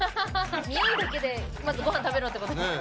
ニオイだけでまずごはん食べろってことですか？